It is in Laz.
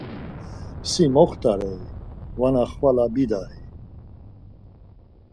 Si moxtare-i vana xvala bidai?